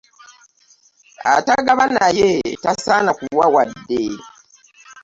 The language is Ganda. Atagaba naye tasaana kuwa wadde.